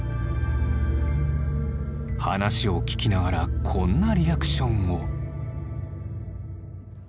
話を聞きながらこんなリアクションを。